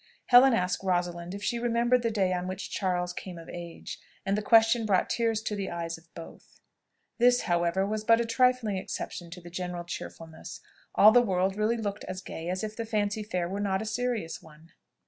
Helen asked Rosalind if she remembered the day on which Charles came of age, and the question brought tears to the eyes of both: this, however, was but a trifling exception to the general cheerfulness; all the world really looked as gay as if the Fancy Fair were not a serious one.